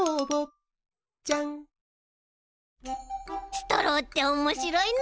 ストローっておもしろいな。